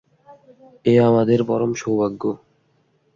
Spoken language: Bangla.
এ আমাদের পরম সৌভাগ্য।